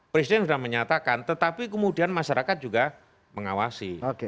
presiden sudah menyatakan tetapi kemudian masyarakat juga mengawasi